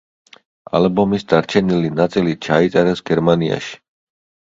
ალბომის დარჩენილი ნაწილი ჩაიწერეს გერმანიაში.